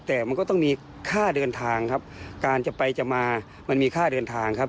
แต่มันก็ต้องมีค่าเดินทางครับการจะไปจะมามันมีค่าเดินทางครับ